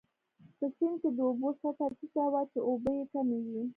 په سیند کې د اوبو سطحه ټیټه وه، چې اوبه يې کمې وې.